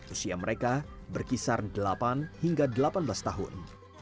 usia mereka berkisar delapan hingga delapan belas tahun